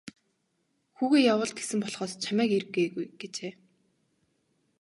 Хүүгээ явуул гэсэн болохоос чамайг ир гээгүй гэжээ.